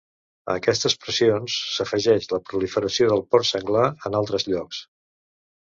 A aquestes pressions, s'afegeix la proliferació del porc senglar en altres llocs.